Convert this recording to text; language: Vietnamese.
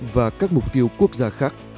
và các mục tiêu quốc gia khác